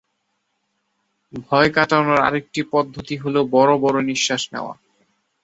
ভয় কাটানোর আরেকটি পদ্ধতি হল বড়-বড় নিঃশ্বাস নেওয়া।